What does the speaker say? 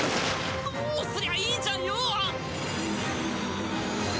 どうすりゃいいじゃんよ！！